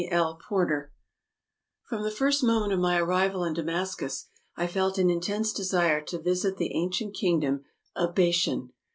L. PORTER FROM the first moment of my arrival in Damascus I felt an intense desire to visit the ancient kingdom of Bashan.